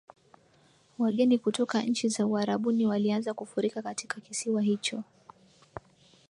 wageni kutoka nchi za Uarabuni walianza kufurika katika kisiwa hicho